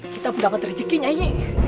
kita pun dapat rezeki nyai